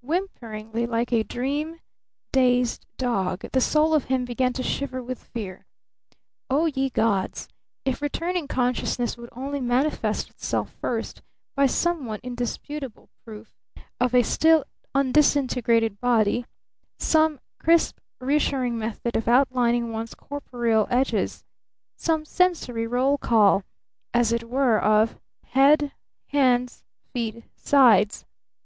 Whimperingly, like a dream dazed dog, the soul of him began to shiver with fear. Oh, ye gods! If returning consciousness would only manifest itself first by some one indisputable proof of a still undisintegrated body, some crisp, reassuring method of outlining one's corporeal edges, some sensory roll call, as it were of head, hands, feet, sides!